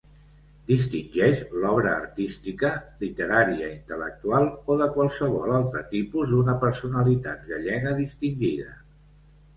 Distingeix l'obra artística, literària, intel·lectual o de qualsevol altre tipus d'una personalitat gallega distingida.